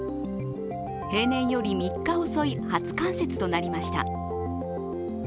平年より３日遅い初冠雪となりました。